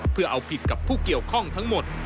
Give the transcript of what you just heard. เพื่อเอาผิดกับผู้เกี่ยวข้องทั้งหมด